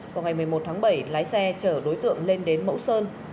vào ngày một mươi một tháng bảy lái xe chở đối tượng lên đến mẫu sơn